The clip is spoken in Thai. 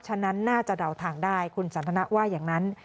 ฉะนั้นน่าจะเดาทางได้คุณสันทนาว่าอย่างนั้น